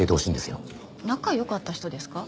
仲良かった人ですか？